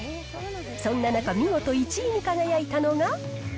そんな中、見事１位に輝いたのが。